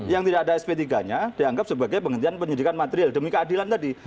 yang tidak ada sp tiga nya dianggap sebagai penghentian penyidikan material demi keadilan tadi